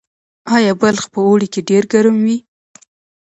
آیا بلخ په اوړي کې ډیر ګرم وي؟